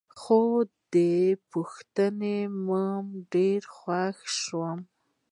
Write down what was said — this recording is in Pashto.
خو دا پوښتنه مې ډېره خوښه شوه.